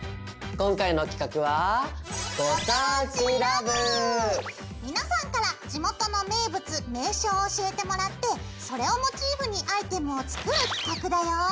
今回の企画は皆さんから地元の名物名所を教えてもらってそれをモチーフにアイテムを作る企画だよ！